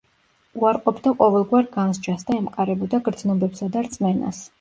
უარყოფდა ყოველგვარ განსჯას და ემყარებოდა გრძნობებსა და რწმენას.